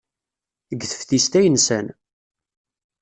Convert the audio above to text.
Deg teftist ay nsan.